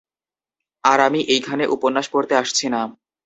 আর আমি এইখানে, উপন্যাস পড়তে আসছি না।